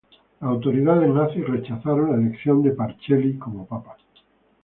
Las autoridades nazis rechazaron la elección de Pacelli como papa.